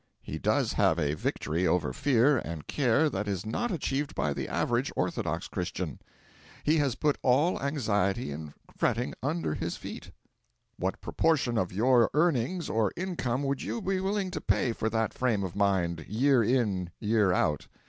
He does have a victory over fear and care that is not achieved by the average orthodox Christian.' He has put all anxiety and fretting under his feet. What proportion of your earnings or income would you be willing to pay for that frame of mind, year in year out?